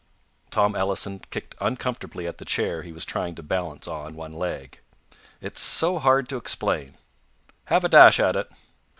Tom Ellison kicked uncomfortably at the chair he was trying to balance on one leg. "It's so hard to explain." "Have a dash at it."